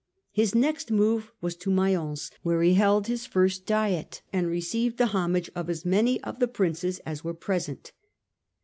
His next move was to Mayence, where he held his first Diet and re ceived the homage of as many of the Princes as were present.